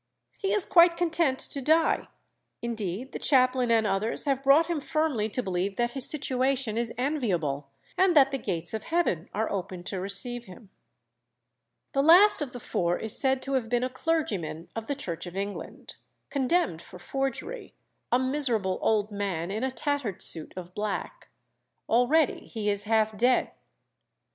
He is quite content to die; indeed the chaplain and others have brought him firmly to believe that his situation is enviable, and that the gates of heaven are open to receive him." The last of the four is said to have been a clergyman of the Church of England, condemned for forgery, "a miserable old man in a tattered suit of black. Already he is half dead.